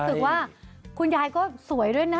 รู้สึกว่าคุณยายก็สวยด้วยนะ